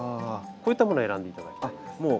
こういったものを選んで頂きたいです。